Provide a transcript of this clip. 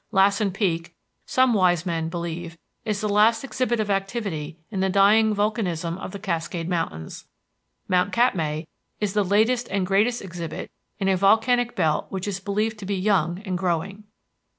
Lassen Peak, some wise men believe, is the last exhibit of activity in the dying volcanism of the Cascade Mountains. Mount Katmai is the latest and greatest exhibit in a volcanic belt which is believed to be young and growing.